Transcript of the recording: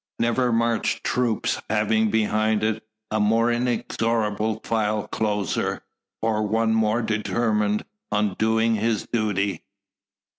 Never marched troop having behind it a more inexorable file closer, or one more determined on doing his duty.